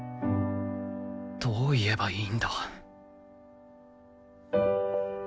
どう言えばいいんだ